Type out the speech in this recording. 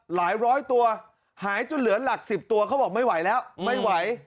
ร้อยตัวหายจนเหลือหลัก๑๐ตัวเขาบอกไม่ไหวแล้วไม่ไหว